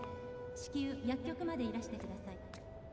至急薬局までいらしてください」。